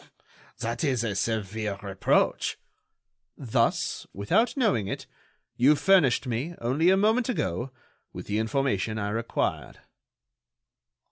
"That is a severe reproach." "Thus, without knowing it, you furnished me, only a moment ago, with the information I required."